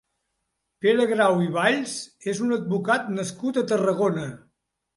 Pere Grau i Valls és un advocat nascut a Tarragona.